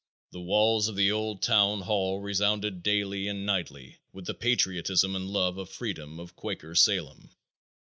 The walls of the old town hall resounded daily and nightly with the patriotism and love of freedom of Quaker Salem.